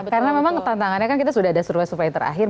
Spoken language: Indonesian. karena memang tantangannya kan kita sudah ada suruh suruh yang terakhir